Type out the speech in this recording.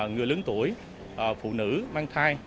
người lớn tuổi phụ nữ mang thai